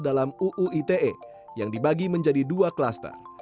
dalam uu ite yang dibagi menjadi dua klaster